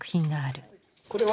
これは？